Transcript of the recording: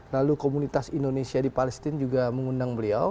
lalu komunitas indonesia di palestina juga mengundang beliau